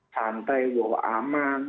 santai bawa aman